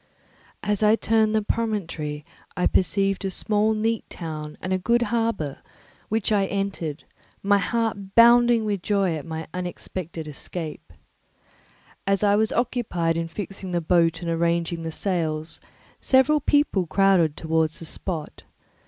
As I turned the promontory I perceived a small neat town and a good harbour, which I entered, my heart bounding with joy at my unexpected escape. As I was occupied in fixing the boat and arranging the sails, several people crowded towards the spot.